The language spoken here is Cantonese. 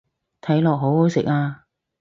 睇落好好食啊